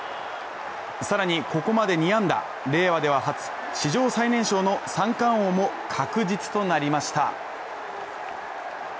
更にここまで２安打、令和では史上最年少の三冠王も確実となりました。